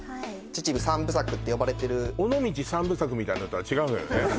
「秩父三部作」って呼ばれてる「尾道三部作」みたいなのとは違うのよね